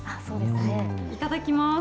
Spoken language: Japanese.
いただきます。